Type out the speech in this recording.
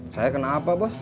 saya kenapa bos